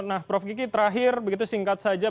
nah prof kiki terakhir begitu singkat saja